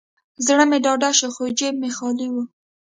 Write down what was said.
زړه مې ډاډه شو، خو جیب مې خالي و.